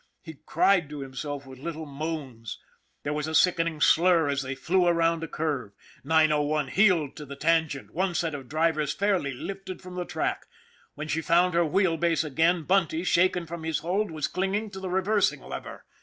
He cried to himself with little moans. There was a sickening slur as they flew round a curve. 901 heeled to the tangent, one set of drivers fairly lifted from the track. When she found her wheel base again, Bunty, shaken from his hold, was clinging to the reversing lever.